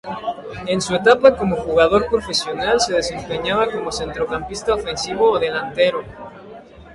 En su etapa como jugador profesional se desempeñaba como centrocampista ofensivo o delantero.